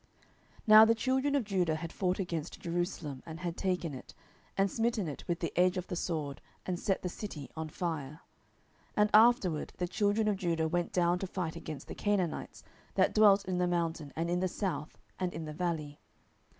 07:001:008 Now the children of Judah had fought against Jerusalem, and had taken it, and smitten it with the edge of the sword, and set the city on fire. 07:001:009 And afterward the children of Judah went down to fight against the Canaanites, that dwelt in the mountain, and in the south, and in the valley.